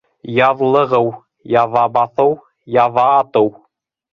Яҙлығыу, яҙа баҫыу, яҙа атыу...